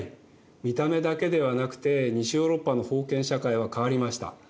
見た目だけではなくて西ヨーロッパの封建社会は変わりました。